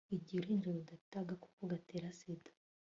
igihe uruhinja rudafite gakoko gatera sida